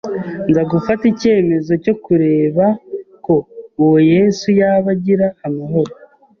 Nza gufata icyemezo cyo kureba ko uwo Yesu yaba agira amahoro